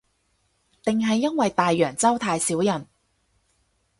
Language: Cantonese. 定係因為大洋洲太少人